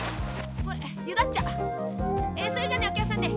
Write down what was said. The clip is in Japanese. それじゃあねおきゃくさんね